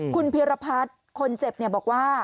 คุณพิรพัฒน์คนเจ็บบอกว่า